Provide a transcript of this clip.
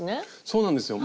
そうなんですよ。